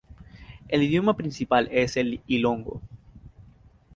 El idioma principal es el ilongo.